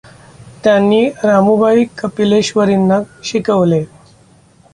त्यांनी रामुबाई कपिलेश्वरींना शिकवले.